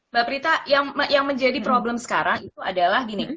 mbak prita yang menjadi problem sekarang itu adalah gini